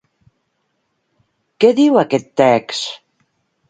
Què diu aquest text?